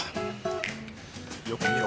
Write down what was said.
よく見ろ。